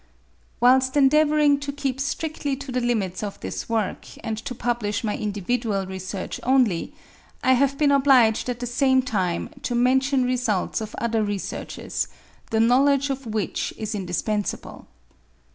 Whilst endeavouring to keep stridlly to the limits of this work and to publish my individual research only, I have been obliged at the same time to mention results of other researches, the knowledge of which is indispensable.